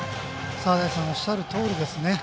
沢田石さんがおっしゃるとおりですね。